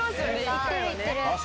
行ってる行ってる。